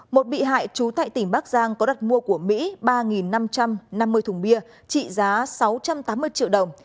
một bị hại trú tại tỉnh bắc giang có đặt mua của mỹ ba năm trăm năm mươi thùng bia trị giá sáu trăm tám mươi triệu đồng